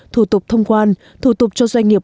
thủ tục thông quan thủ tục cho doanh nghiệp